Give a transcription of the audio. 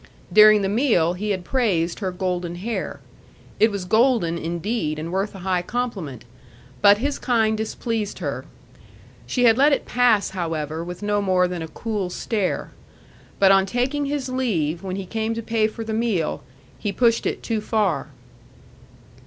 During the meal he had praised her golden hair. It was golden indeed, and worth a high compliment; but his kind displeased her. She had let it pass, however, with no more than a cool stare. But on taking his leave, when he came to pay for the meal, he pushed it too far.